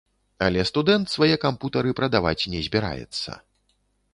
Але студэнт свае кампутары прадаваць не збіраецца.